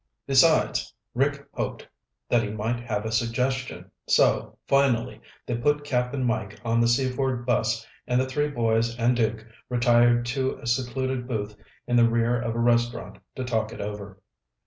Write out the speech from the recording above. Besides, Rick hoped that he might have a suggestion, so, finally, they put Cap'n Mike on the Seaford bus and the three boys and Duke retired to a secluded booth in the rear of a restaurant to talk it over.